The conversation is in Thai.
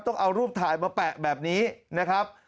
ต้องเอารูปถ่ายมาแปะแบบนี้นะครับ